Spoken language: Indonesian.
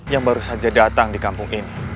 yang baru saja datang di kampung ini